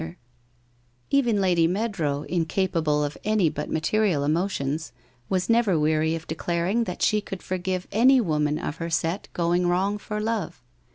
282 WHITE ROSE OF WEARY LEAF Even Lady Meadrow, incapable of any but material emotions, was never weary of declaring that she could for give any woman of her set going wrong for Love.